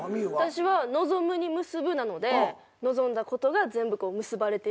私は望むに結ぶなので望んだことが全部結ばれていくようにっていう意味。